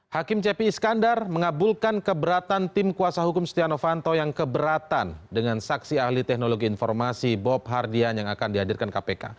hakim cepi iskandar mengabulkan keberatan tim kuasa hukum setia novanto yang keberatan dengan saksi ahli teknologi informasi bob hardian yang akan dihadirkan kpk